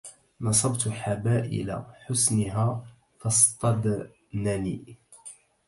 نصبت حبائل حسنها فاصطدنني